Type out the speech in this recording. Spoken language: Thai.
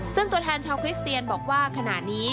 ซึ่งตัวแทนชาวคริสเตียนบอกว่าขณะนี้